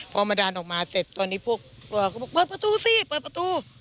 พอมาดานออกมาเสร็จตอนนี้พวกตัวเขาบอกเปิดประตูสิเปิดประตู